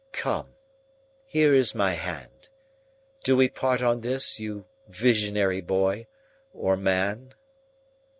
Come! Here is my hand. Do we part on this, you visionary boy—or man?"